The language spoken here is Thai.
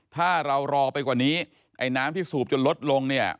ถ้าเรารอไปกว่านี้ไอ้น้ำที่สูบจนลดลงเนี่ย